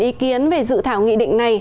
ý kiến về dự thảo nghị định này